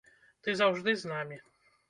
Ты заўжды з намі.